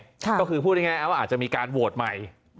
ก็คือพูดง่ายว่าอาจจะมีการโหวตใหม่